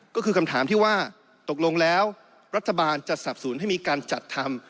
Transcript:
ก็คือคำถามที่ว่าตกลงแล้วรัฐบาลจะสับสนให้มีการจัดทำ